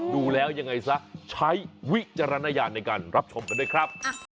ดูแล้วยังไงซะใช้วิจารณญาณในการรับชมกันด้วยครับ